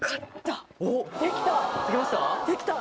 できた！